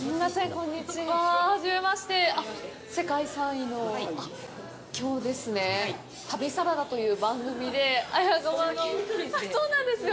こんにちははじめまして世界３位の今日旅サラダという番組で急に来そうなんですよ